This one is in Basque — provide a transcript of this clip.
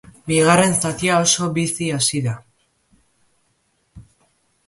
Bigarren zatia oso bizi hasi da.